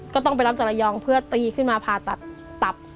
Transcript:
ก็ต้องไปรับจากระยองเพื่อตีขึ้นมาผ่าตัดตับ